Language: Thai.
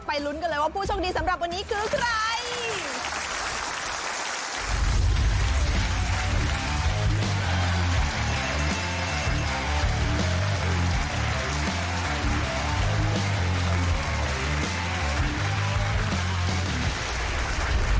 ลุ้นกันเลยว่าผู้โชคดีสำหรับวันนี้คือใคร